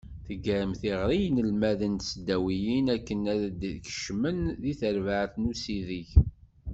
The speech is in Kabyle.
Teggarem tiɣri i yinelmaden n tesdawiyin akken ad d-kecmen deg terbaɛt n usideg.